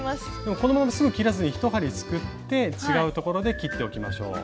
このまますぐ切らずに１針すくって違うところで切っておきましょう。